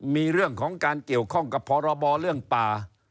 มีเรื่องของการเกี่ยวข้องกับพรบเรื่องป่า